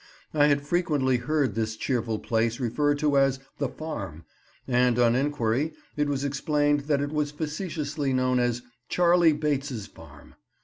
I had frequently heard this cheerful place referred to as "The Farm," and on enquiry it was explained that it was facetiously known as "Charley Bates's Farm."